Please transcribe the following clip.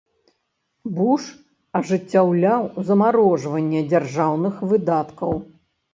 Буш ажыццяўляў замарожванне дзяржаўных выдаткаў.